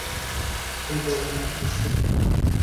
আমি তোর অভিযোগ নিতে প্রস্তুত।